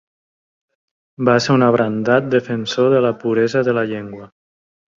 Va ser un abrandat defensor de la puresa de la llengua.